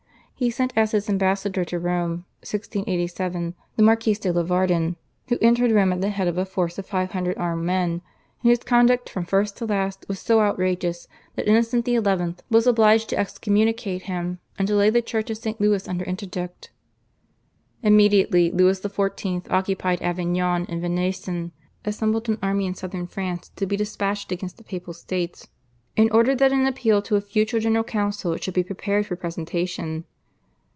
He sent as his ambassador to Rome (1687) the Marquis de Lavardin, who entered Rome at the head of a force of five hundred armed men, and whose conduct from first to last was so outrageous that Innocent XI. was obliged to excommunicate him, and to lay the Church of Saint Louis under interdict. Immediately Louis XIV. occupied Avignon and Venaissin, assembled an army in Southern France to be despatched against the Papal States, and ordered that an appeal to a future General Council should be prepared for presentation.